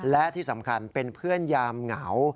และที่สำคัญเป็นเพื่อนยามเหงา